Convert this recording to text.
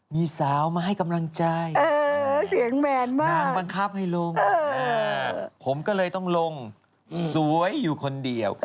มีสาวมาให้กำลังใจเสียงแมนมากนางบังคับให้ลงผมก็เลยต้องลงสวยอยู่คนเดียว